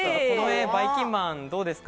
ばいきんまん、どうですか？